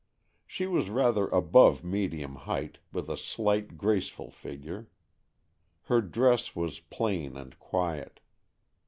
She was rather above medium height, with a slight graceful figure. Her dress was plain and quiet.